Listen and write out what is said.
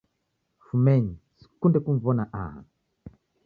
Fumenyi, sikunde kumw'ona aha